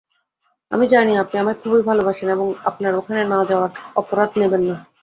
আমি জানি আপনি আমায় খুবই ভালবাসেন এবং আপনার ওখানে না যাওয়ার অপরাধ নেবেন না।